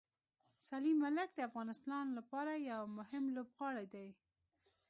سلیم ملک د افغانستان لپاره یو مهم لوبغاړی دی.